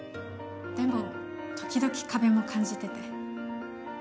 でも時々壁も感じてて。